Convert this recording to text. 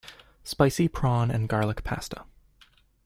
Spicy prawn and garlic pasta.